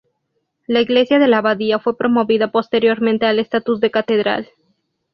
La iglesia de la abadía fue promovida posteriormente al estatus de catedral.